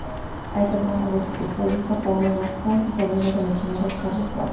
Es hermano del exfutbolista Paulo Wanchope y sobrino del entrenador Carlos Watson.